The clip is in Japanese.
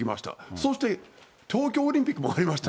そして東京オリンピックもありました。